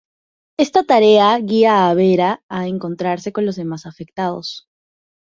Esta tarea guía a Vera a encontrarse con los demás afectados.